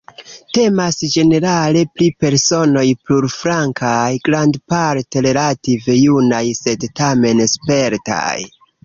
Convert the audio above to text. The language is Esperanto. Temas ĝenerale pri personoj plurflankaj, grandparte relative junaj sed tamen spertaj.